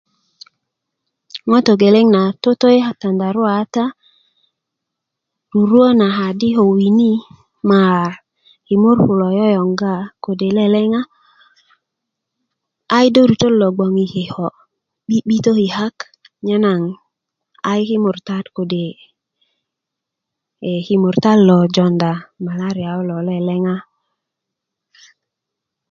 ŋo togeleŋ na toto i tadaruwa kata ruruwö na kadi ko wini ma kimur kulo yoyoŋga kode' leleŋa ayi dorutö logboŋ i kiko pitöki kak nye naŋ a yi kimurtat kode' kimurta lo jounda maleria kulo leleŋa